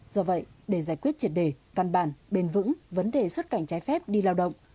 do vậy để giải quyết triệt đề căn bản bền vững vấn đề xuất cảnh trái phép đi lao động